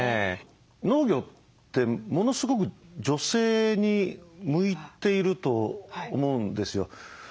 農業ってものすごく女性に向いていると思うんですよ。